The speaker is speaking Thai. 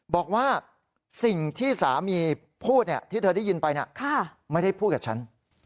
บอกว่าสิ่งที่สามีพูดที่เธอได้ยินไปไม่ได้พูดกับฉัน